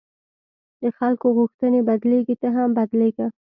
د خلکو غوښتنې بدلېږي، ته هم بدلېږه.